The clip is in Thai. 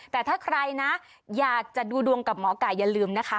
แต่ถ้าใครนะอยากจะดูดวงกับหมอไก่อย่าลืมนะคะ